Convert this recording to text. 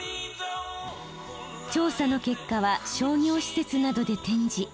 調査の結果は商業施設などで展示。